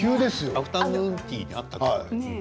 アフタヌーンティーだったから。